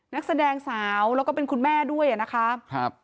นักแสดงสาวแล้วก็เป็นคุณแม่ด้วยนะคะครับ